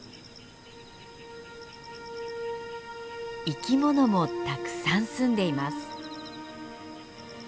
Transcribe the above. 生き物もたくさん住んでいます。